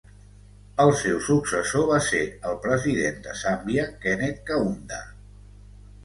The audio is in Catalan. El seu successor va ser el president de Zàmbia, Kenneth Kaunda.